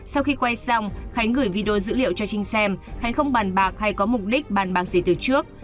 sau khi quay xong khánh gửi video dữ liệu cho trinh xem khánh không bàn bạc hay có mục đích bàn bạc gì từ trước